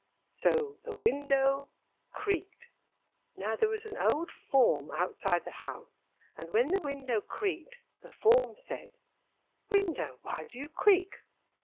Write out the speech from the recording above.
So the window creaked. Now there was an old form outside the house, and when the window creaked, the form said: "Window, why do you creak?"